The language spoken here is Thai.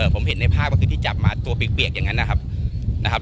ผมเห็นในภาพก็คือที่จับมาตัวเปียกอย่างนั้นนะครับ